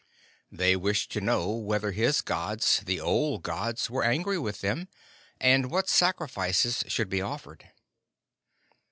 They wished to know whether his Gods the Old Gods were angry with them, and what sacrifices should be offered.